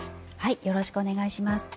よろしくお願いします。